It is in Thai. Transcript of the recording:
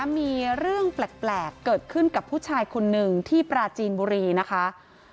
มีเรื่องแปลกเกิดขึ้นกับผู้ชายคนหนึ่งที่ปราจีนบุรีนะคะ